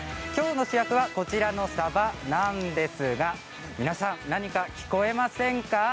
主役はこのマサバなんですが皆さん何か聞こえませんか？